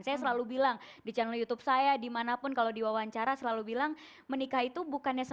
saya selalu bilang di channel youtube saya dimanapun kalau di wawancara selalu bilang menikah itu bukannya semata mata menyatukan dua kepala dan dua kepala